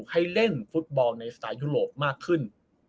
ให้เล่นฟุตบอลในสไตล์ยุโรปมากขึ้น